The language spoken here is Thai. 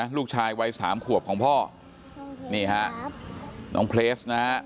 น้องลูกชายวัย๓ขวบของพ่อน้องเพลสนะ